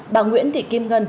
bà nguyễn thị kim ngân